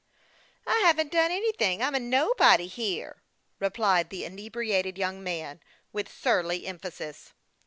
" I haven't done anything. I'm a nobody here !" replied the inebriated young man, with surly em phasis.